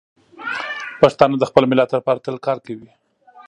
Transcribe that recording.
پښتانه د خپل ملت لپاره تل کار کوي.